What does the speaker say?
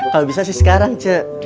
kalau bisa sih sekarang ce